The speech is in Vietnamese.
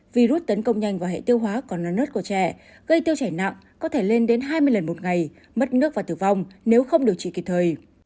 virus tấn công nhanh vào hệ tiêu hóa còn là nớt của trẻ gây tiêu chảy nặng có thể lên đến hai mươi lần một ngày mất nước và tử vong nếu không điều trị kịp thời